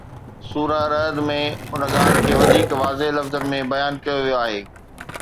سوره رعد ۾ ان ڳالهه کي وڌيڪ واضح لفظن ۾ بيان ڪيو ويو آهي